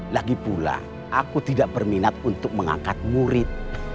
lagipula aku tidak berminat untuk mengangkat murid